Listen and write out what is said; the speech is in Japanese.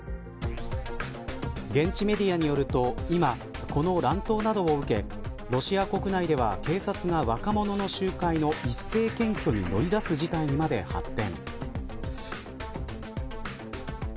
現地メディアによると、今この乱闘などを受けロシア国内では警察が若者の集会の一斉検挙に乗り出す事態にまで発展。